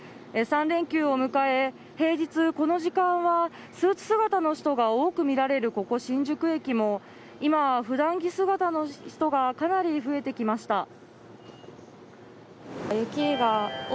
３連休を迎え、平日この時間はスーツ姿の人が多く見られる、ここ新宿駅も今は普段着姿の人がかなり増えてきました。